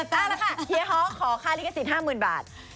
เอาแล้วค่ะเฮียฮอลขอค่าลิกสิน๕๐๐๐๐บาท